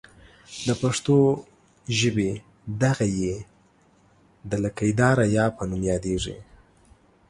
د پښتو ژبې دغه ۍ د لکۍ داره یا په نوم یادیږي.